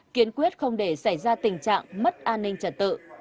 kiên quyết không để xảy ra tình trạng mất an ninh trật tự